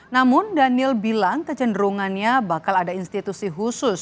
namun daniel bilang kecenderungannya bakal ada institusi khusus